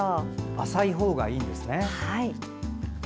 浅いほうがいいんですね。